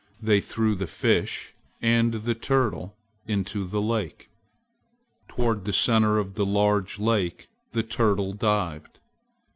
They threw the Fish and the Turtle into the lake. Toward the center of the large lake the Turtle dived.